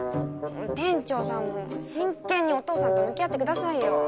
店長さんも真剣にお父さんと向き合ってくださいよ。